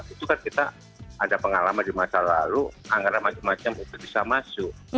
itu kan kita ada pengalaman di masa lalu anggaran macam macam itu bisa masuk